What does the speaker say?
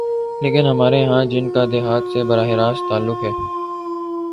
لیکن ہمارے ہاں جن کا دیہات سے براہ راست تعلق ہے۔